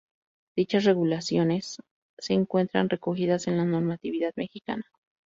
Dichas regulaciones se encuentran recogidas en la Normatividad Mexicana.